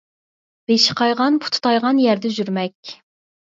بېشى قايغان، پۇتى تايغان يەردە يۈرمەك.